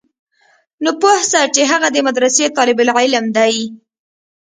نو پوه سه چې هغه د مدرسې طالب العلم دى.